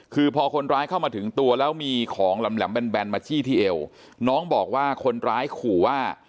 คือพอคนร้ายเข้ามาถึงตัวแล้วมีของแหลมแบนมาจี้ที่เอวน้องบอกว่าคนร้ายขู่ว่า